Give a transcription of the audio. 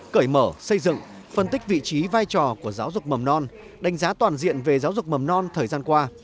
cởi mở xây dựng phân tích vị trí vai trò của giáo dục mầm non đánh giá toàn diện về giáo dục mầm non thời gian qua